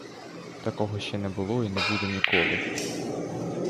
Такого ще не бувало і не буде ніколи.